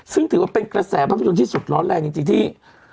ซึ่งถือว่าเป็นกระแสภาพยนตร์ที่สุดร้อนแรงจริงที่